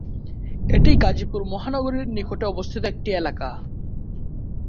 এটি গাজীপুর মহানগরীর নিকটে অবস্থিত একটি এলাকা।